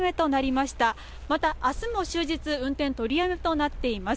また、明日も終日運転取りやめとなっています。